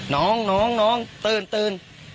น้องตื่น